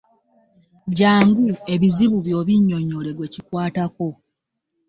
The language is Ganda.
Jangu ebizibu byo obinnyonnyole gwe kikwatako.